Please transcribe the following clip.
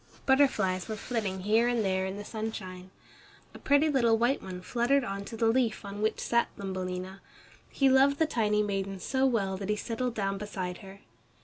Butterflies were flitting here and there in the sunshine. A pretty little white one fluttered on to the leaf on which sat Thumbelina. He loved the tiny maiden so well that he settled down beside her.